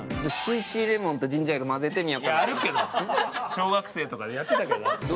小学生とかやってたけど。